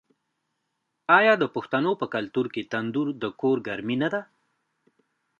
آیا د پښتنو په کلتور کې تندور د کور ګرمي نه ده؟